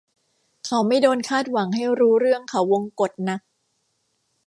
เขาไม่โดนคาดหวังให้รู้เรื่องเขาวงกตนัก